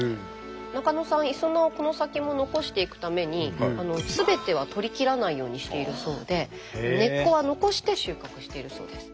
中野さんいそなをこの先も残していくためにすべては採りきらないようにしているそうで根っこは残して収穫しているそうです。